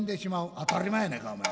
当たり前やないかお前。